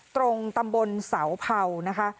ตรงตำบลเสาเผานะคะ